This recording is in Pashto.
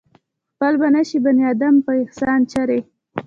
خپل به نشي بنيادم پۀ احسان چرې